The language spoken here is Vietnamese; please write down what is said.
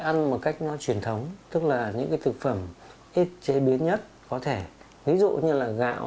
ăn một cách nó truyền thống tức là những cái thực phẩm ít chế biến nhất có thể ví dụ như là gạo